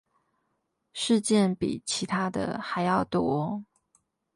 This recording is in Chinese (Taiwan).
事件比其他的還要多